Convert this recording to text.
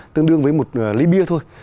tương đương với một ly bia thôi